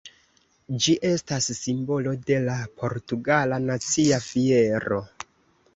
Ĝi estas simbolo de la portugala nacia fiero.